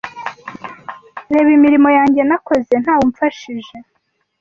Reba imirimo yanjye nakoze ntawumpfashije